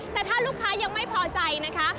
แต่ถ้าลูกค้ายังไม่พอใจนะคะ